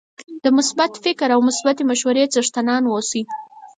د مثبت فکر او مثبتې مشورې څښتنان اوسئ